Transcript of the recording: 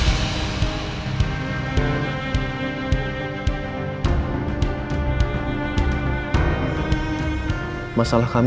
belum mel pedagang ohh om